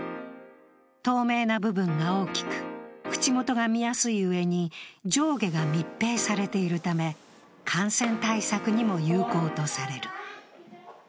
透明な部分が大きく、口元が見やすいうえに上下が密閉されているため、感染対策にも有効とされる。